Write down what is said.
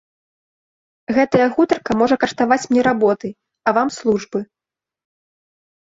Гэтая гутарка можа каштаваць мне работы, а вам службы.